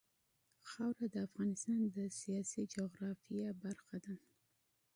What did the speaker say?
خاوره د افغانستان د سیاسي جغرافیه برخه ده.